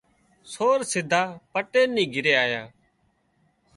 سور سڌا پٽيل نِي گھري آيا